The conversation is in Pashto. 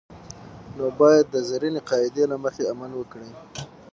نو باید د زرینې قاعدې له مخې عمل وکړي.